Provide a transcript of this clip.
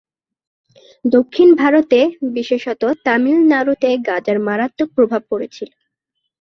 দক্ষিণ ভারতে, বিশেষত তামিলনাড়ুতে গাজার মারাত্মক প্রভাব পড়েছিল।